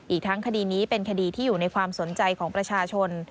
อีกทั้งคดีนี้เป็นคดีที่อยู่ในความสนใจของประชาชน